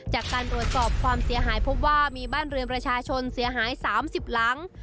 จากการตรวจสอบความเสียหายพบว่ามีบ้านเรือนประชาชนเสียหาย๓๐หลัง